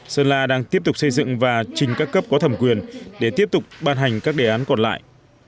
sơn la đang tiếp tục xây dựng và trình các cấp có thẩm quyền để tiếp tục ban hành các đề án còn lại